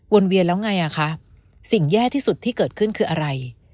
เวียนแล้วไงอ่ะคะสิ่งแย่ที่สุดที่เกิดขึ้นคืออะไร